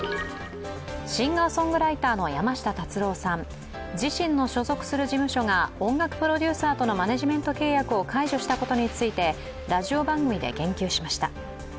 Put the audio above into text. シンガーソングライターの山下達郎さん、自身の所属する事務所が音楽プロデューサーとのマネジメント契約を解除したことについてラジオ番組で言及しました。